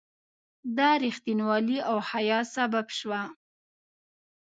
دا رښتینولي او حیا سبب شوه.